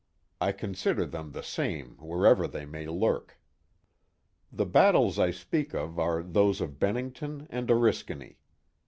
I consider them the same where ever they may lurk." The battles I speak of are those of Bennington and Oriskany.